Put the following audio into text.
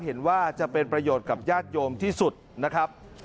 เห็นว่าจะเป็นประโยชน์กับญาติโยมที่สุดนะครับ